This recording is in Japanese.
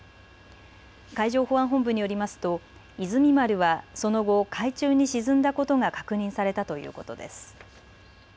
海上保安本部によりますといずみ丸はその後、海中に沈んだことが確認されたということです。